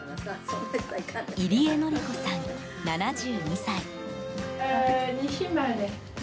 入江徳子さん、７２歳。